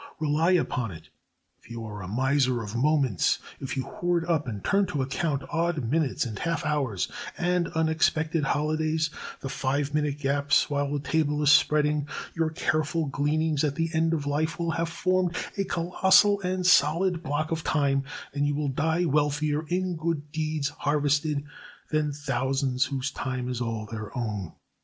Rely upon it, if you are a miser of moments, if you hoard up and turn to account odd minutes and half hours and unexpected holidays, the five minute gaps while the table is spreading, your careful gleanings at the end of life will have formed a colossal and solid block of time, and you will die wealthier in good deeds harvested than thousands whose time is all their own.